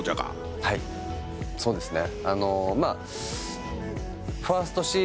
はいそうですね。